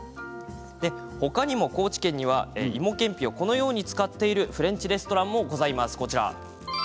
他にも高知県には、いもけんぴをこのように使っているフレンチレストランもございます。